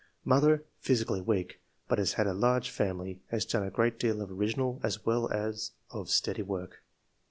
Mother — Physically weak, but has had a large family ; has done a great deal of original as well as of steady work."